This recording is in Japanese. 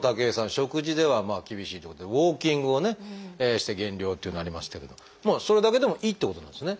食事では厳しいってことでウォーキングをして減量ってなりましたけどそれだけでもいいってことなんですね。